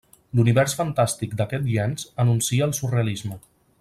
L'univers fantàstic d'aquest llenç anuncia el surrealisme.